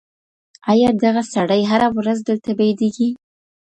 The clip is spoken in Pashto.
آیا دغه سړی هره ورځ دلته بېدېږي؟